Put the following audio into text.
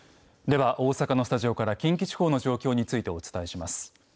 では、大阪のスタジオから近畿地方の情報についてお伝えします。